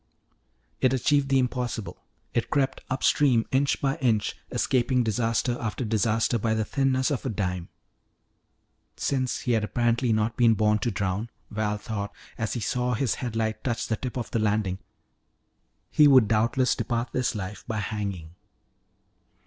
It achieved the impossible; it crept upstream inch by inch, escaping disaster after disaster by the thinness of a dime. Since he had apparently not been born to drown, Val thought as he saw his headlight touch the tip of the landing, he would doubtless depart this life by hanging.